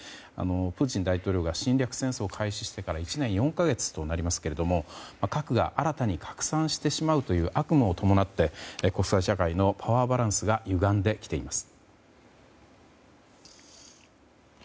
プーチン大統領が侵略戦争を開始してから１年４か月となりますが核が新たに拡散してしまうという悪夢を伴って国際社会のパワーバランスがゆがんできています。